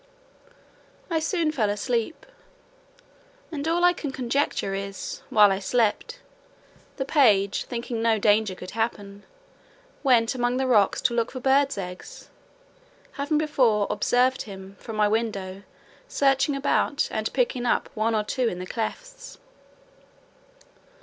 I soon fell asleep, and all I can conjecture is, while I slept, the page, thinking no danger could happen, went among the rocks to look for birds' eggs, having before observed him from my window searching about, and picking up one or two in the clefts.